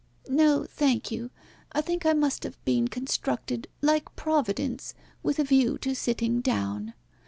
"No, thank you. I think I must have been constructed, like Providence, with a view to sitting down.